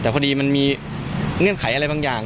แต่พอดีมันมีเงื่อนไขอะไรบางอย่าง